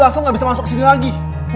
padahal juas lo gak bisa masuk sini lagi